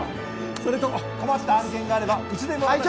それと困った案件があればいつでも会長！